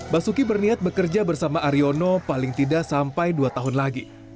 basuki berniat bekerja bersama aryono paling tidak sampai dua tahun lagi